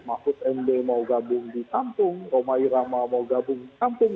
mahfud md mau gabung di tampung romai rama mau gabung di tampung